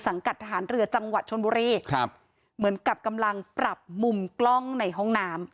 กับทหารเรือจังหวัดชนบุรีครับเหมือนกับกำลังปรับมุมกล้องในห้องน้ำ